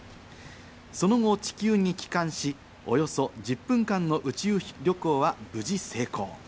その後、地球に帰還し、およそ１０分間の宇宙旅行は無事成功。